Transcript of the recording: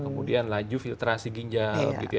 kemudian laju filtrasi ginjal